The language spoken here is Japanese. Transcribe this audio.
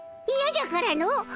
いやじゃからの。